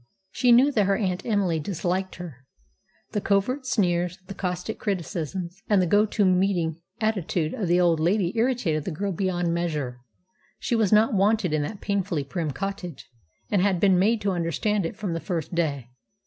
She knew that her aunt Emily disliked her. The covert sneers, the caustic criticisms, and the go to meeting attitude of the old lady irritated the girl beyond measure. She was not wanted in that painfully prim cottage, and had been made to understand it from the first day.